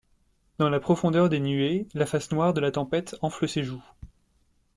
Dans la profondeur des nuées la face noire de la tempête enfle ses joues.